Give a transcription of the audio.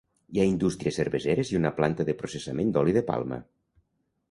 Hi ha indústries cerveseres i una planta de processament d'oli de palma.